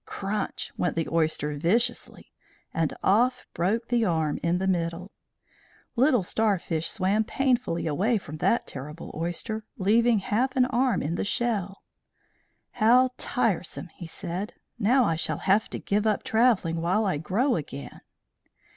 Crunch! went the oyster viciously, and off broke the arm in the middle. Little Starfish swam painfully away from that terrible oyster, leaving half an arm in the shell. "How tiresome!" he said. "Now I shall have to give up travelling while I grow again."